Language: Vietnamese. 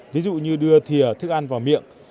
ví dụ như đưa thịa thức ăn vào miệng